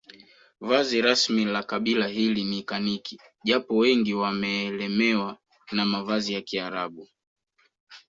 Vazi rasmi la kabila hili ni kaniki japo wengi wameelemewa na mavazi ya kiarabu